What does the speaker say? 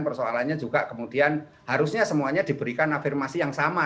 persoalannya juga kemudian harusnya semuanya diberikan afirmasi yang sama